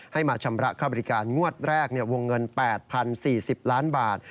มาชำระค่าบริการงวดแรกวงเงิน๘๐๔๐ล้านบาท